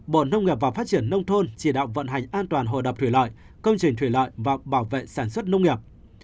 bộ nông nghiệp và phát triển nông thôn chỉ đạo vận hành an toàn hồ đập thủy loại công trình thủy loại và bảo vệ sản xuất nông nghiệp